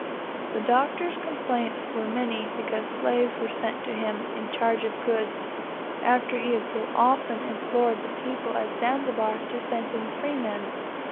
The Doctor's complaints were many because slaves were sent to him, in charge of goods, after he had so often implored the people at Zanzibar to send him freemen.